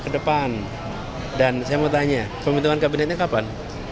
dan saya mau tanya pembentukan kabinetnya kapan